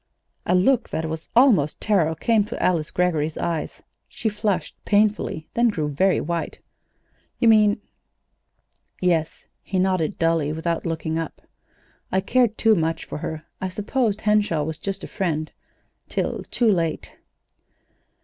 A look that was almost terror came to Alice Greggory's eyes. She flushed painfully, then grew very white. "You mean " "Yes," he nodded dully, without looking up. "I cared too much for her. I supposed Henshaw was just a friend till too late."